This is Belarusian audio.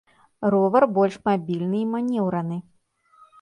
Ровар больш мабільны і манеўраны.